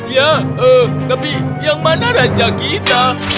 ya tapi yang mana raja kita